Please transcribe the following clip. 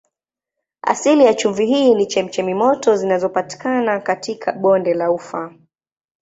Asili ya chumvi hii ni chemchemi moto zinazopatikana katika bonde la Ufa.